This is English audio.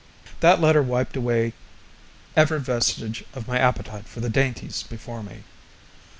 That letter wiped away ever vestige of my appetite for the dainties before me.